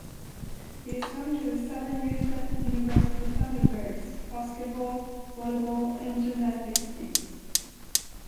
It is home to the Southern Utah University Thunderbirds basketball, volleyball and gymnastics teams.